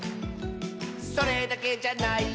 「それだけじゃないよ」